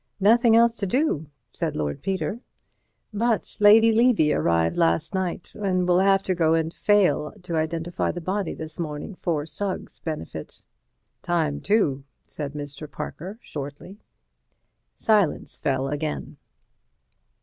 "Nothing else to do," said Lord Peter, "but Lady Levy arrived last night, and will have to go and fail to identify the body this morning for Sugg's benefit." "Time, too," said Mr. Parker shortly. Silence fell again.